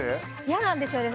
嫌なんですよね